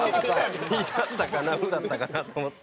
「い」だったかな「う」だったかなと思って。